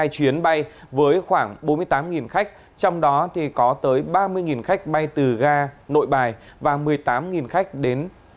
hai mươi chuyến bay với khoảng bốn mươi tám khách trong đó có tới ba mươi khách bay từ ga nội bài và một mươi tám khách đến